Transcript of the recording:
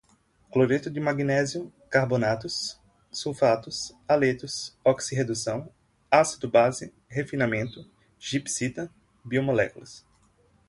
cloreto de magnésio, carbonatos, sulfatos, haletos, oxi-redução, ácido-base, refinamento, gipsita, biomoléculas